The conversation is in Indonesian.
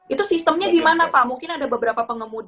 itu sistemnya gimana pak mungkin ada beberapa pengemudi